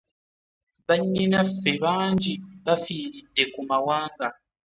Bannyinaffe bangi bafiiridde ku mawanga.